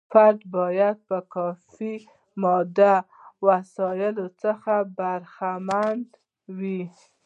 فرد باید کافي مادي وسیلو څخه برخمن وي.